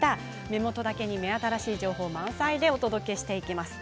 目元だけに目新しい情報満載でお届けしていきます。